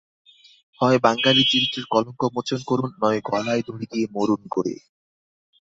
হয় বাঙালি-চরিত্রের কলঙ্ক মোচন করুন, নয় গলায় দড়ি দিয়ে মরুন গে।